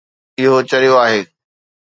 اهو چريو آهي